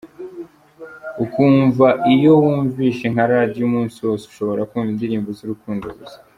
Ukumva iyo wumvise nka radiyo umunsi wose ushobora kumva indirimbo z’urukundo gusa.